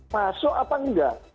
masuk apa enggak